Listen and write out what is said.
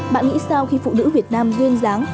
bạn nghĩ sau khi phụ nữ việt nam duyên dáng